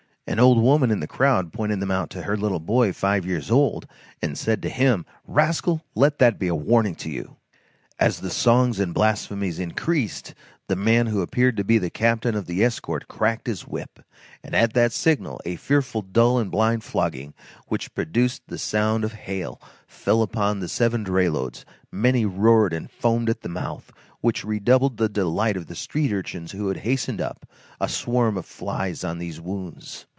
An old woman in the crowd pointed them out to her little boy five years old, and said to him: "Rascal, let that be a warning to you!" As the songs and blasphemies increased, the man who appeared to be the captain of the escort cracked his whip, and at that signal a fearful dull and blind flogging, which produced the sound of hail, fell upon the seven dray loads; many roared and foamed at the mouth; which redoubled the delight of the street urchins who had hastened up, a swarm of flies on these wounds.